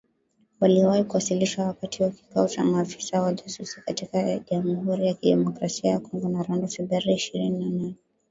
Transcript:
Waliwahi kuwasilishwa wakati wa kikao cha maafisa wa ujasusi kati ya jamuhuri ya kidemokrasia ya kongo na Rwanda, Februari ishirini na nne